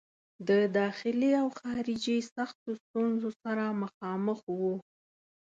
د داخلي او خارجي سختو ستونزو سره مخامخ وو.